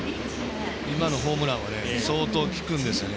今のホームランは相当、効くんですよね。